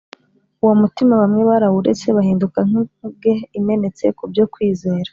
Uwo mutima bamwe barawuretse bahinduka nk’inkuge imenetse ku byo kwizera